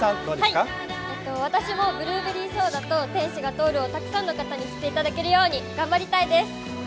私もブルーベリーソーダと「天使が通る」をたくさんの方に知っていただけるように頑張りたいです。